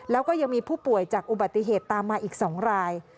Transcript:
แล้วก็ยังมีผู้ป่วยจากอุบัติเหตุตามมาอีก๒ราย